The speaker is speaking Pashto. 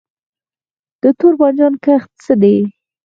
د تور بانجان کښت څنګه دی؟